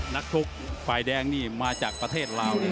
นักทุกษ์ฝ่ายแดงนี่มาจากประเทศลาว